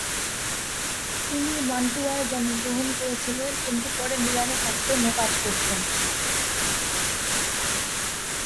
তিনি মান্টুয়ায় জন্মগ্রহণ করেছিলেন কিন্তু পরে মিলানে থাকতেন ও কাজ করতেন।